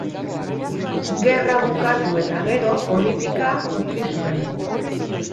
Gerra bukatu eta gero politika utzi zuen.